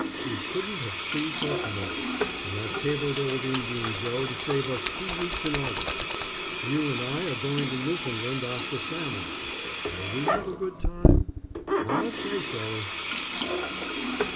You couldn't have pleased us more, and I've cabled old Indian Joe to save us two weeks in August. You and I are going to Newfoundland after salmon. Will we have a good time? I'll say so!